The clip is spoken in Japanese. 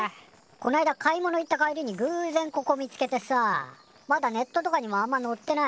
こないだ買い物行った帰りにぐう然ここ見つけてさまだネットとかにもあんまのってない